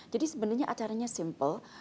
jadi sebenarnya acaranya simple